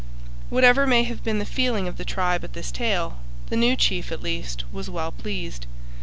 Whatever may have been the feeling of the tribe at this tale, the new chief at least was well pleased.